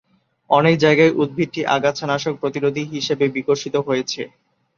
অনেক জায়গায়, উদ্ভিদটি আগাছানাশক-প্রতিরোধী হিসেবে বিকশিত হয়েছে।